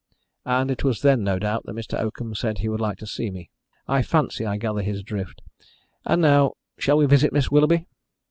"And it was then, no doubt, that Mr. Oakham said he would like to see me. I fancy I gather his drift. And now shall we visit Miss Willoughby?"